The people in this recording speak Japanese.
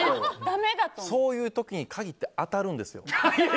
そういう時に限って当たるんですよ。